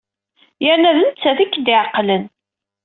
Yerna d nettat i k-d-iɛeqlen.